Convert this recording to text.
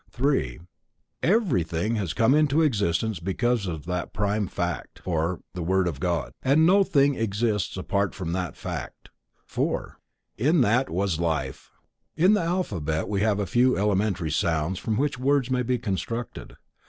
3) Every thing has come into existence because of that prime fact, [The Word of God], and no thing exists apart from that fact. 4) In that was Life. In the alphabet we have a few elementary sounds from which words may be constructed.